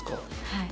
はい。